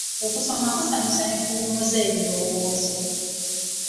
Okusoma kusanyusa n'okuwummuza ebirowoozo.